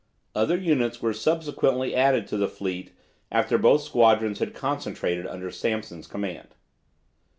Other units were subsequently added to the fleet after both squadrons had concentrated under Sampson's command.